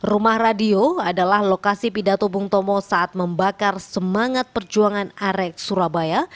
rumah radio adalah lokasi pidato bung tomo saat membakar semangat perjuangan arek surabaya